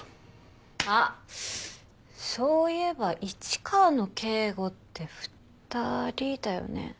あっそういえば市川の警護って２人だよね？